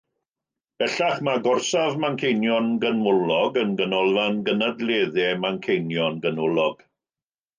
Bellach, mae gorsaf Manceinion Ganolog yn Ganolfan Gynadleddau Manceinion Ganolog.